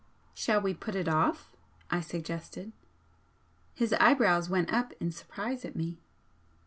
"Shall we put it off?" I suggested. His eyebrows went up in surprise at me.